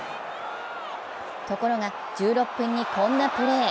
ところが１６分にこんなプレー。